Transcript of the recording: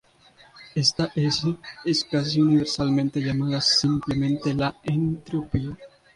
Esta S es casi universalmente llamada simplemente la entropía.